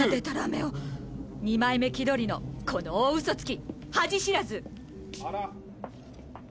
「二枚目気取りのこの大嘘つき」